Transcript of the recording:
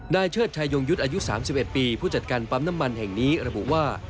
เชิดชายงยุทธ์อายุ๓๑ปีผู้จัดการปั๊มน้ำมันแห่งนี้ระบุว่า